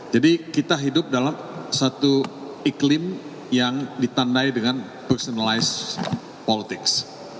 jadi kita hidup dalam satu iklim yang ditandai dengan personalized politics